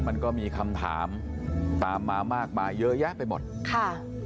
มันก็มีคำถามตามมามากมายเยอะแยะไปหมดค่ะ